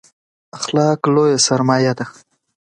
دا کار پر ټولنیزو او تولیدي چارو یې لوی اغېز وکړ.